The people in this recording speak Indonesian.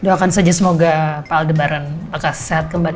doakan saja semoga pak al debaran akan sehat kembali